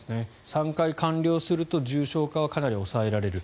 ３回完了すると重症化はかなり抑えられる。